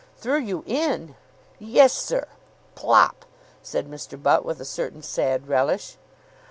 "Threw you in!" "Yes, sir. Plop!" said Mr. Butt, with a certain sad relish.